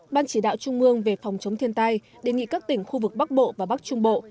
ban chỉ đạo trung ương về phòng chống thiên tai đề nghị các tỉnh khu vực bắc bộ và bắc trung bộ